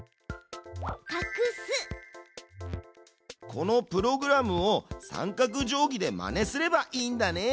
このプログラムを三角定規でまねすればいいんだね。